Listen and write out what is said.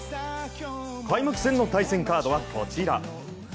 開幕戦の対戦カードはこちら。